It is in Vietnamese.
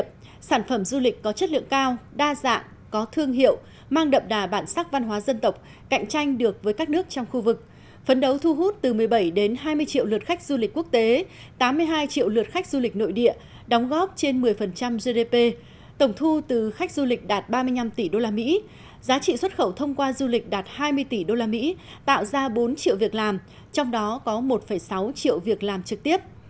phấn đấu thu hút từ một mươi bảy đến hai mươi triệu lượt khách du lịch quốc tế tám mươi hai triệu lượt khách du lịch nội địa đóng góp trên một mươi gdp tổng thu từ khách du lịch đạt ba mươi năm tỷ usd giá trị xuất khẩu thông qua du lịch đạt hai mươi tỷ usd tạo ra bốn triệu việc làm trong đó có một sáu triệu việc làm trực tiếp